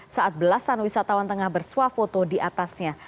saat belasan wisatawan tengah bersuah foto di atasnya